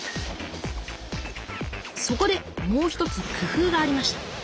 そこでもう一つ工夫がありました。